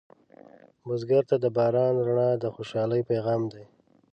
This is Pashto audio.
بزګر ته د باران رڼا د خوشحالۍ پیغام دی